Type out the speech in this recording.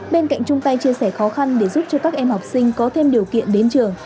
bên cạnh chung tay chia sẻ khó khăn để giúp cho các em học sinh có thêm điều kiện đến trường